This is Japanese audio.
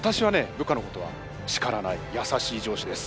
部下のことは叱らない優しい上司です。